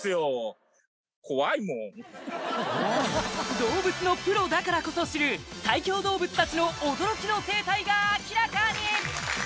動物のプロだからこそ知る最強動物達の驚きの生態が明らかに！